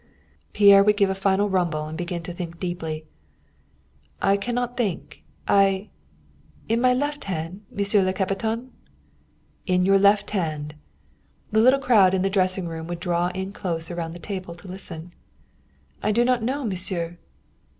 Pierre would give a final rumble and begin to think deeply. "I cannot think. I in my left hand, monsieur le capitaine?" "In your left hand." The little crowd in the dressing room would draw in close about the table to listen. "I do not know, monsieur."